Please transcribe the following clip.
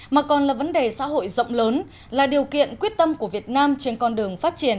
mà còn là vấn đề xã hội rộng lớn là điều kiện quyết tâm của việt nam trên con đường phát triển